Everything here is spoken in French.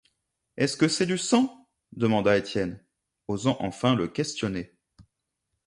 Est-ce que c’est du sang? demanda Étienne, osant enfin le questionner.